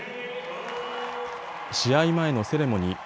試合前のセレモニー。